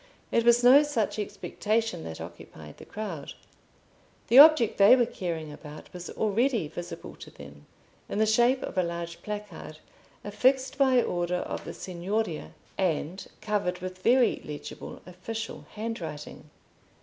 It was no such expectation that occupied the crowd. The object they were caring about was already visible to them in the shape of a large placard, affixed by order of the Signoria, and covered with very legible official handwriting.